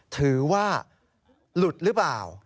ถือว่าหลุดหรือเปล่า